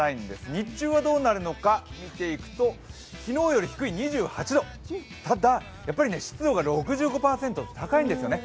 日中はどうなるのか見ていくと、昨日より低い２８度、ただ、湿度が６５％と高いんですよね。